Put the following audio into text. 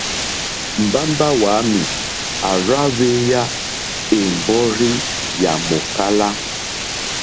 Mbamba wàami à rza hweya è mbɔrzi yà mòkala.